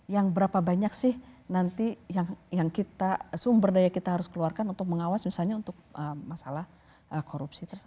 jadi yang berapa banyak sih nanti sumber daya kita harus keluarkan untuk mengawas masalah korupsi tersebut